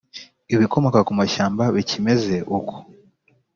Ibikomoka ku mashyamba bikimeze uko